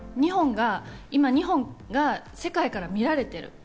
日本が今、世界から見られている。